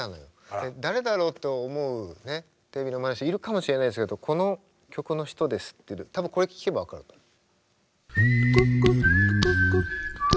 誰だろうと思うねテレビの前の人いるかもしれないですけどこの曲の人ですって多分これ聴けば分かると思う。